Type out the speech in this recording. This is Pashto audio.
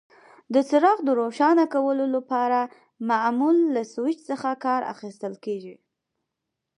د څراغ د روښانه کولو لپاره معمولا له سویچ څخه کار اخیستل کېږي.